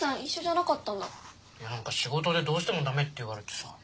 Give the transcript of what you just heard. なんか仕事でどうしてもダメって言われてさ。